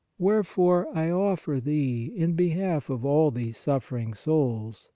Wherefore, I offer Thee, in behalf of all these suffering souls (or of